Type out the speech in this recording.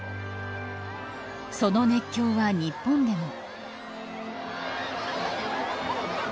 その熱狂は日本でも。